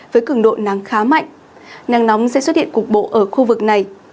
với cường độ nắng khá mạnh nắng nóng sẽ xuất hiện cục bộ ở khu vực này